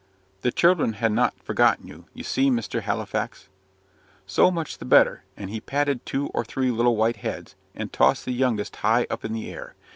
The children ha' not forgotten you you see, Mr. Halifax." "So much the better!" and he patted two or three little white heads, and tossed the youngest high up in the air.